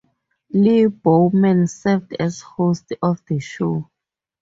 Lee Bowman served as host of the show.